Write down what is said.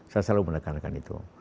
saya selalu menekankan itu